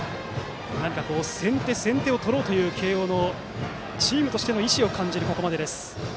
何か先手、先手を取ろうという慶応のチームとしての意思を感じるここまでです。